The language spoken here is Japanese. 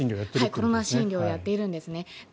コロナ診療をやっているんですね。